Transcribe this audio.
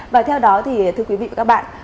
và theo đó thì thưa quý vị và các bạn